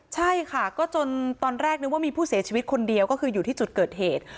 ใช่ค่ะก็จนตอนแรกนึกว่ามีผู้เสียชีวิตคนเดียวก็คืออยู่ที่จุดเกิดเหตุ